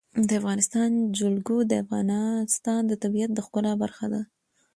د افغانستان جلکو د افغانستان د طبیعت د ښکلا برخه ده.